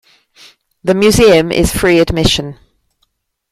The Museum is free admission.